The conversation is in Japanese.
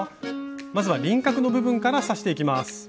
まずは輪郭の部分から刺していきます。